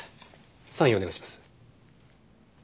サインお願いします。